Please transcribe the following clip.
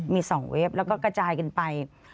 มี๒เว็บแล้วก็กระจายกันไป